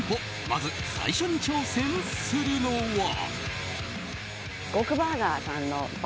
まず最初に挑戦するのは。